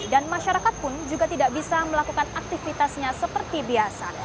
dan masyarakat pun juga tidak bisa melakukan aktivitasnya seperti biasa